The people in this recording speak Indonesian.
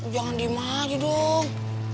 jangan dimasih dong